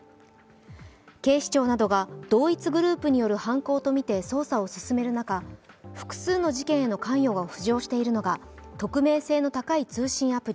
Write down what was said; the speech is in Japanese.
警視庁などが同一グループによる犯行とみて捜査を進める中、複数の事件への関与が浮上しているのが匿名性の高い通信アプリ